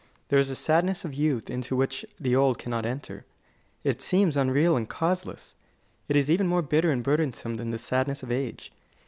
There is a sadness of youth into which the old cannot enter. It seems unreal and causeless. But it is even more bitter and burdensome than the sadness of age.